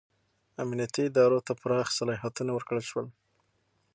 امنیتي ادارو ته پراخ صلاحیتونه ورکړل شول.